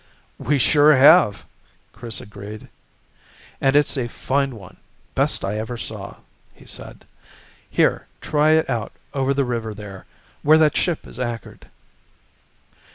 "We sure have!" Chris agreed, "And it's a fine one best I ever saw," he said. "Here, try it out over the river there, where that ship is anchored."